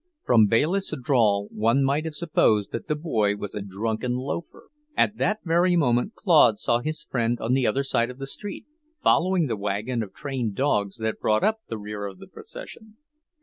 From Bayliss' drawl one might have supposed that the boy was a drunken loafer. At that very moment Claude saw his friend on the other side of the street, following the wagon of trained dogs that brought up the rear of the procession.